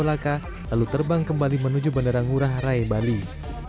pesawat yang mengangkut sekitar dua puluh penumpang dan lima grup tersebut terbang dari bandara